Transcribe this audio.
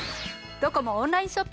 ドコモオンラインショップ